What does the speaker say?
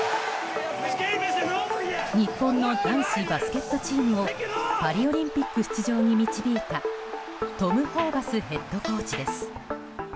日本の男子バスケットチームをパリオリンピック出場に導いたトム・ホーバスヘッドコーチです。